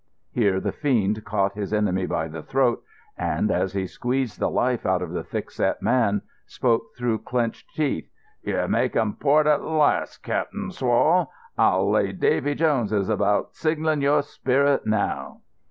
Here the fiend caught his enemy by the throat, and, as he squeezed the life out of the thickset man, spoke through clenched teeth: "You're making port at last, Cap'n Swall. I'll lay Davy Jones is about signalling your sperrit now."